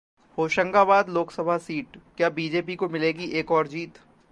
Hoshangabad Lok Sabha seat: क्या BJP को मिलेगी एक और जीत?